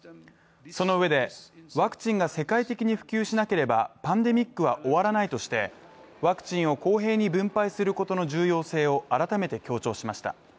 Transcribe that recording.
そのうえで、ワクチンが世界的に普及しなければパンデミックは終わらないとしてワクチンを公平に分配することの重要性を改めて強調しました。